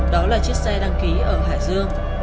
đó là chiếc xe đăng ký ở hải dương